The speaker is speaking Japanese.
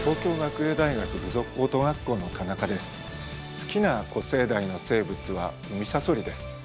好きな古生代の生物はウミサソリです。